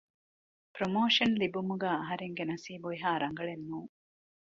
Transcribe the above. ޕްރޮމޯޝަން ލިބުމުގައި އަހަރެންގެ ނަސީބު އެހާރަނގަޅެއް ނޫން